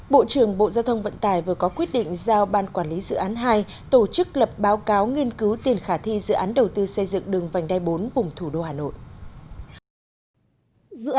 bộ trưởng bộ giao thông vận tải vừa có quyết định giao ban quản lý dự án hai tổ chức lập báo cáo nghiên cứu tiền khả thi dự án đầu tư xây dựng đường vành đai bốn vùng thủ đô hà nội